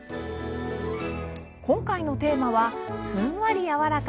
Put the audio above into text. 今回のテーマはふんわりやわらか！